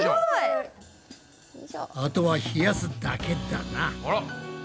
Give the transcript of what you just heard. あとは冷やすだけだな。